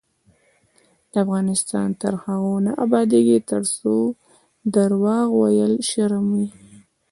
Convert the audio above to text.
افغانستان تر هغو نه ابادیږي، ترڅو درواغ ویل شرم وي.